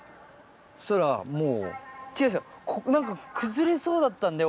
そしたらもう。